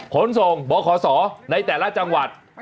ขนส่งบขศในแต่ละจังหวัด